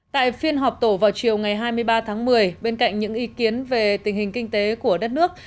tại phiên họp tổ vào chiều ngày hai mươi ba tháng một mươi bên cạnh những ý kiến về tình hình kinh tế của đất nước